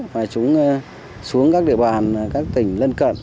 và chúng xuống các địa bàn các tỉnh lân cận